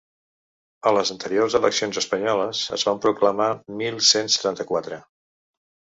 A les anteriors eleccions espanyoles es van proclamar mil cent setanta-quatre.